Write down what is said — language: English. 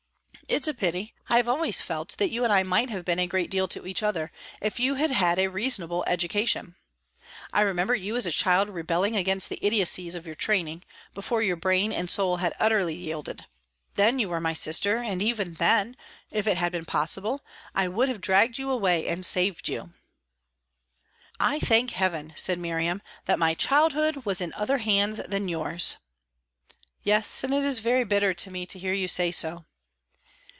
It's a pity. I have always felt that you and I might have been a great deal to each other if you had had a reasonable education. I remember you as a child rebelling against the idiocies of your training, before your brain and soul had utterly yielded; then you were my sister, and even then, if it had been possible, I would have dragged you away and saved you." "I thank Heaven," said Miriam, "that my childhood was in other hands than yours!" "Yes; and it is very bitter to me to hear you say so."